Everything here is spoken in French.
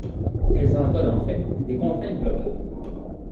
elles encodent en fait des contraintes globales